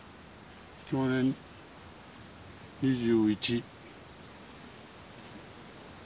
享年２１。